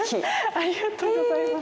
ありがとうございます。